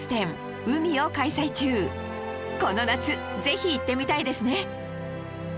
この夏ぜひ行ってみたいですね